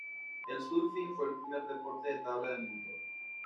El surfing fue el primer deporte de tabla del mundo.